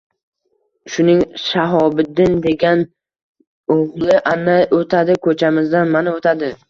Shuning Shahobiddin degan oʼgʼli ana oʼtadi koʼchamizdan, mana oʼtadi.